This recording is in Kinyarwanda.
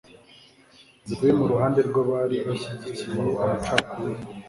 zivuye mu ruhande rw'abari bashyigikiye amacakubiri